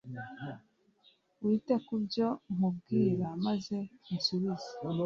wite ku byo nkubwira, maze unsubize